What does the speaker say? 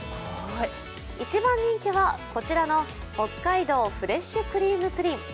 一番人気は、こちらの北海道フレッシュクリームプリン。